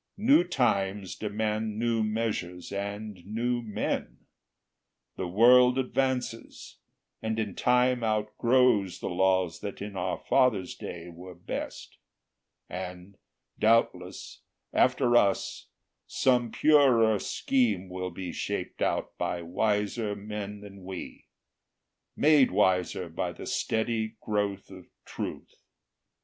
New times demand new measures and new men; The world advances, and in time outgrows The laws that in our fathers' day were best; And, doubtless, after us, some purer scheme Will be shaped out by wiser men than we, Made wiser by the steady growth of truth.